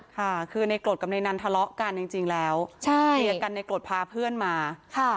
ค่ะคือในกรดกับในนั้นทะเลาะกันจริงจริงแล้วใช่เคลียร์กันในกรดพาเพื่อนมาค่ะ